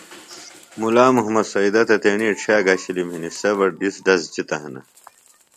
مُلا محمد سیدہ تہ تیݨی اڇھیہ گھشِلم ہنے سے بہ ڈِزڈز جِتہ ہِنہ